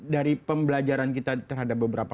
dari pembelajaran kita terhadap beberapa